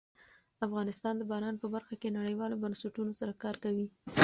افغانستان د باران په برخه کې نړیوالو بنسټونو سره کار کوي.